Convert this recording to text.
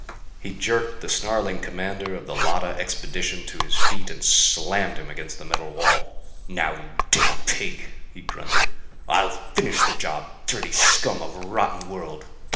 He jerked the snarling commander of the Llotta expedition to his feet and slammed him against the metal wall. "Now, you damn pig," he grunted, "I'll finish the job. Dirty scum of a rotten world!"